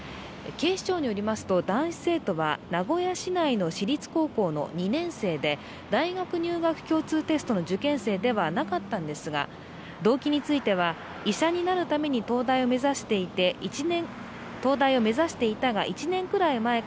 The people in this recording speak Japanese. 警視庁によりますと、男子生徒は名古屋市内の私立高校の２年生で大学入学共通テストの受験生ではなかったんですが、動機については、医者になるために東大を目指していたが、